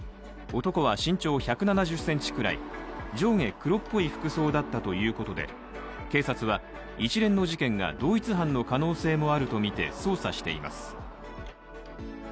男は身長１７０ｃｍくらい上下黒っぽい服装だったということで警察は一連の事件が同一犯の可能性もあるとみて捜査しています。